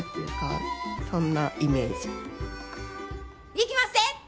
いきまっせ！